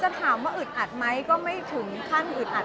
ถามว่าอึดอัดไหมก็ไม่ถึงขั้นอึดอัด